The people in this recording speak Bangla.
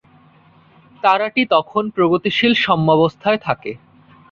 তারাটি তখন প্রগতিশীল সাম্যাবস্থায় থাকে।